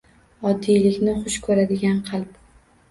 Oddiylikni xush ko‘radigan qalb